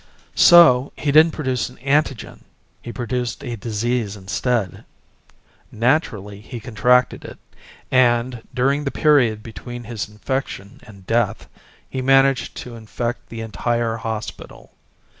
So he didn't produce an antigen he produced a disease instead. Naturally, he contracted it, and during the period between his infection and death he managed to infect the entire hospital.